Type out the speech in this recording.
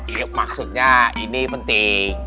iya maksudnya ini penting